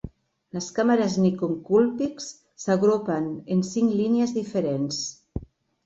Les càmeres Nikon Coolpix s'agrupen en cinc línies diferents.